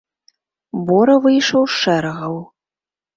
Бора выйшаў з шэрагаў.